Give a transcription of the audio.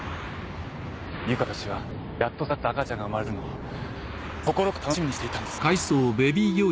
友香と私はやっと授かった赤ちゃんが生まれてくるのを心から楽しみにしていたんです。